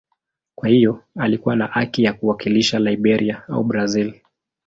Kwa hiyo alikuwa na haki ya kuwakilisha Liberia au Brazil.